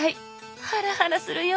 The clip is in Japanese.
ハラハラするよ！